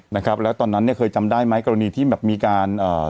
นะครับแล้วตอนนั้นเนี่ยเคยจำได้ไหมกรณีที่แบบมีการเอ่อ